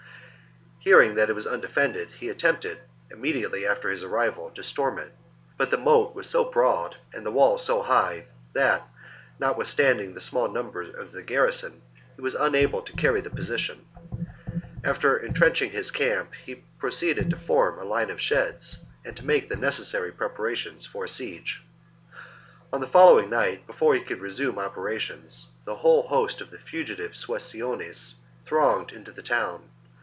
Hearing that it was undefended, he attempted, immediately after his arrival, to storm it ; but the moat was so broad and the wall so high that, notwithstanding the small numbers of the garrison, he was unable to carry the position. After entrenching his camp, he ^ See Caesar's Conquest of Gaul, PP 652 4. 2 lb., pp. 473 4. 6o THE FIRST CAMPAIGN book 57 B.C. proceeded to form a line of sheds,^ and to make the necessary preparations, for a siege. On the following night, before he could resume opera tions, the whole host of the fugitive Suessiones thronged into the town.